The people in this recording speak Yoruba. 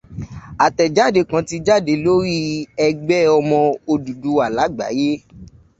Àtẹ̀jáde kan ti jáde lórí ẹgbẹ́ Ọmọ Odùduwà lágbàyé.